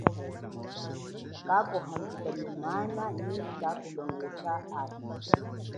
Kakuhanjika nyi mana nyi kakulongesa nyi utu.